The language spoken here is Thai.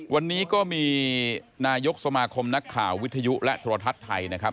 วันนี้ก็มีนายกสมาคมนักข่าววิทยุและโทรทัศน์ไทยนะครับ